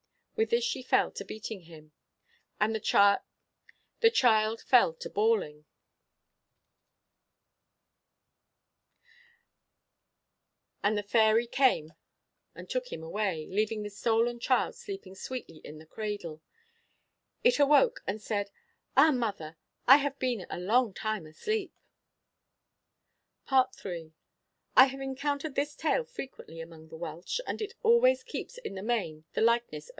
With this she fell to beating him, the child fell to bawling, and the fairy came and took him away, leaving the stolen child sleeping sweetly in the cradle. It awoke and said, 'Ah, mother, I have been a long time asleep!' FOOTNOTE: Keightley, 'Fairy Mythology,' 437. III. I have encountered this tale frequently among the Welsh, and it always keeps in the main the likeness of M.